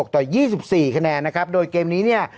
ต่อ๒๔คะแนนนะครับโดยเกมนี้เนี่ย